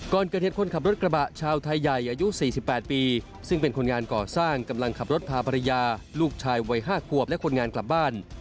ก่อนเกิดเหตุคนขับรถกระบะชาวไทยใหญ่อายุ๔๘ปีซึ่งเป็นคนงานก่อสร้างกำลังขับรถพาภรรยาลูกชายวัย๕ขวบและคนงานกลับบ้าน